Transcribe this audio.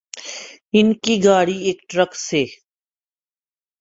ان کی گاڑی ایک ٹرک سے